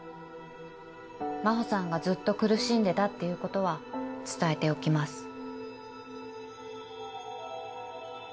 真帆さんがずっと苦しんでたっていうことは伝えておきます。